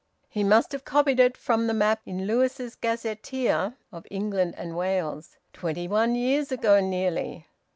He must have copied it from the map in Lewis's Gazetteer of England and Wales... Twenty one years ago, nearly!